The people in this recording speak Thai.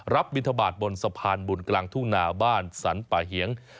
บินทบาทบนสะพานบุญกลางทุ่งนาบ้านสรรป่าเหียง